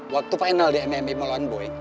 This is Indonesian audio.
waktu final di mma mall one boy